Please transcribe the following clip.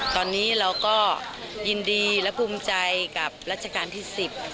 ตอนนี้เราก็ยินดีและภูมิใจกับรัชกาลที่๑๐